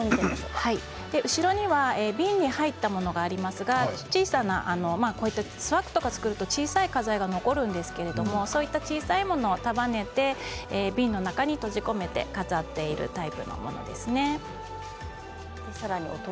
後ろには瓶に入ったものがありますが小さなスワッグとか作ると小さな花材が残るんですが小さいもの束ねて瓶の中に飾っているタイプのものです。